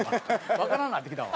わからんなってきたわ。